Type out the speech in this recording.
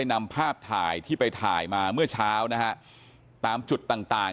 ทีมข่าวเราก็พยายามสอบถามความคืบหน้าเรื่องการสอบปากคำในแหบนะครับ